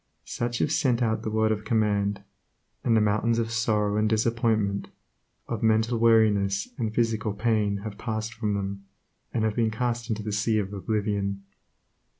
Such have sent out the word of command, and the mountains of sorrow and disappointment, of mental weariness and physical pain have passed from them, and have been cast into the sea of oblivion.